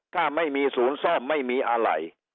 ถ้าไม่มีศูนย์ซ่อมไม่มีอะไร